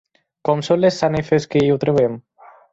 Com són les sanefes que hi trobem?